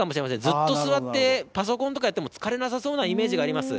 ずっと座ってパソコンとかやっても、疲れなさそうなイメージがあります。